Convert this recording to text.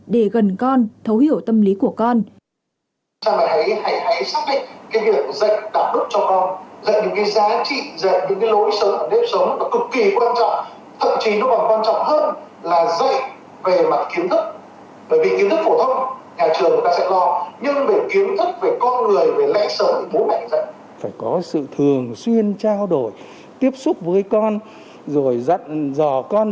để gần con thấu hiểu tâm lý của con